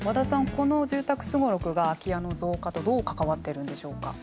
この住宅すごろくが空き家の増加とどう関わってるんでしょうか。